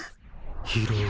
拾う。